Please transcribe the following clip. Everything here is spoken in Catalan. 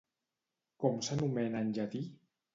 Com s'anomena en llatí?